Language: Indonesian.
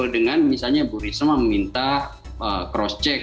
dengan misalnya bu risma meminta cross check